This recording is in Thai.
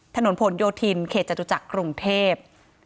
ถนนผลโยธินเขตจตุจักรกรุงเทพ